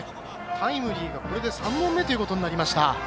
タイムリーが３本目ということになりました。